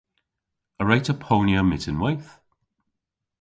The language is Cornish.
A wre'ta ponya myttinweyth?